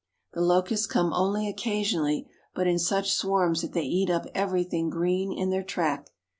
The locusts come only occasion ', but in such swarms that they eat up everything green I their track.